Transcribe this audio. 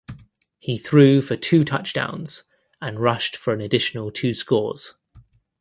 He threw for two touchdowns and rushed for an additional two scores.